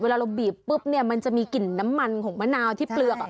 เราบีบปุ๊บเนี่ยมันจะมีกลิ่นน้ำมันของมะนาวที่เปลือก